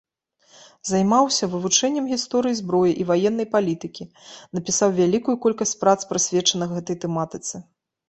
Займаўся вывучэннем гісторыі зброі і ваеннай палітыкі, напісаў вялікую колькасць прац прысвечаных гэтай тэматыцы.